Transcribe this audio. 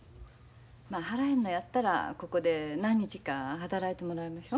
まあ払えんのやったらここで何日か働いてもらいまひょ。